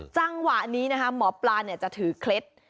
จังหวะนี้นะคะหมอปลาจะถือเคล็ด